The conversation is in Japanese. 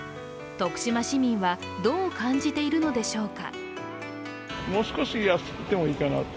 徳島市民はどう感じているのでしょうか。